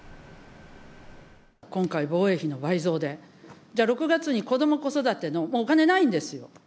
今回、防衛費の倍増で、じゃあ、６月に子ども子育ての、もうお金ないんですよ。